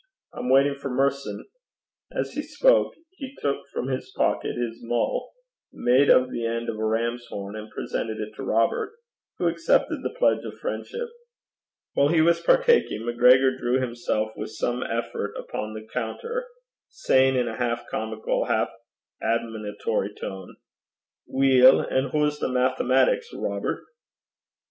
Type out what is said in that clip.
I'm waitin' for Merson.' As he spoke he took from his pocket his mull, made of the end of a ram's horn, and presented it to Robert, who accepted the pledge of friendship. While he was partaking, MacGregor drew himself with some effort upon the counter, saying in a half comical, half admonitory tone, 'Weel, and hoo's the mathematics, Robert?'